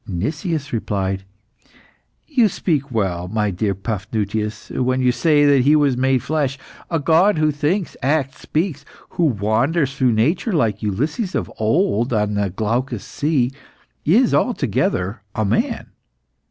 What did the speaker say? Nicias replied "You speak well, my dear Paphnutius, when you say that he was made flesh. A God who thinks, acts, speaks, who wanders through nature, like Ulysses of old on the glaucous sea, is altogether a man.